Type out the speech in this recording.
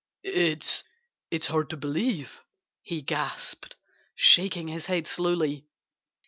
"It's it's hard to believe," he gasped, shaking his head slowly.